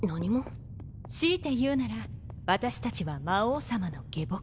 強いて言うなら私たちは魔王様の下僕。